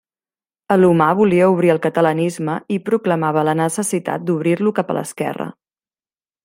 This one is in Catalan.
Alomar volia obrir el catalanisme i proclamava la necessitat d'obrir-lo cap a l'esquerra.